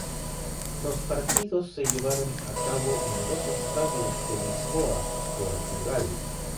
Los partidos se llevaron a cabo en dos estadios de Lisboa, Portugal.